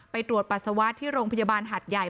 ไปตรวจปัสสาวะที่โรงพยาบาลหัดใหญ่